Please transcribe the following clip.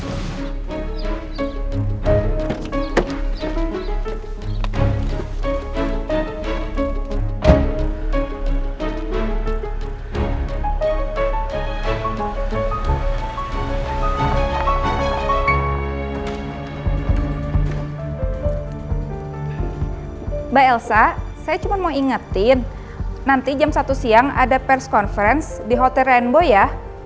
mbak elsa saya cuma mau ingetin nanti jam satu siang ada pers conference di hotel rainbow ya